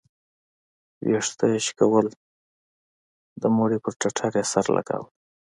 ويښته يې شكول د مړي پر ټټر يې سر لګاوه.